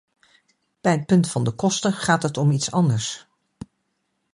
Bij het punt van de kosten gaat het om iets anders.